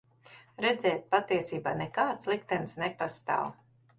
Redziet, patiesībā nekāds liktenis nepastāv.